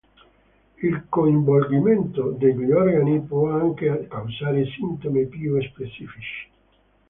Il coinvolgimento degli organi può anche causare sintomi più specifici.